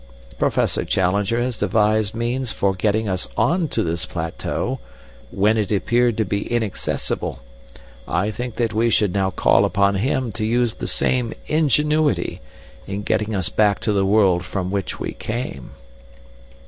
Professor Challenger has devised means for getting us on to this plateau when it appeared to be inaccessible; I think that we should now call upon him to use the same ingenuity in getting us back to the world from which we came."